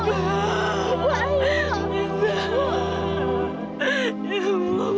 ibu ya allah